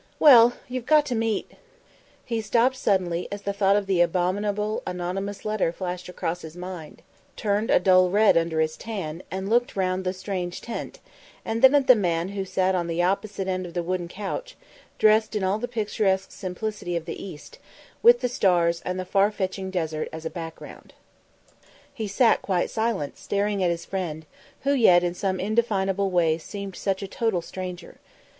Well, you've got to meet " He stopped suddenly as the thought of the abominable anonymous letter flashed across his mind; turned a dull red under his tan, and looked round the strange tent, and then at the man who sat on the opposite end of the wooden couch, dressed in all the picturesque simplicity of the East, with the stars and the far reaching desert as a background. He sat quite silent, staring at his friend, who yet in some indefinable way seemed such a total stranger.